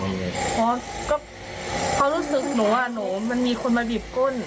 เพราะรู้สึกหนูมันมีคนมาบีบก้น